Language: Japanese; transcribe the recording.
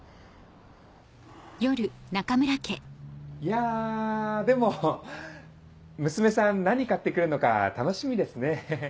いやでも娘さん何買って来るのか楽しみですね